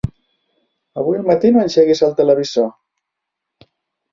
Avui al matí no engeguis el televisor.